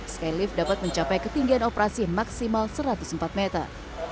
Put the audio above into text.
skylift dapat mencapai ketinggian operasi maksimal satu ratus empat meter